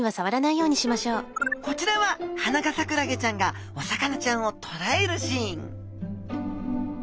こちらはハナガサクラゲちゃんがお魚ちゃんをとらえるシーン